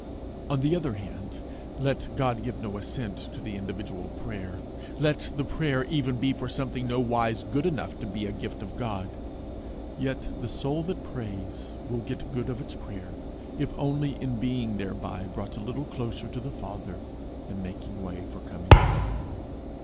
On the other hand, let God give no assent to the individual prayer, let the prayer even be for something nowise good enough to be a gift of God, yet the soul that prays will get good of its prayer, if only in being thereby brought a little nearer to the Father, and making way for coming again.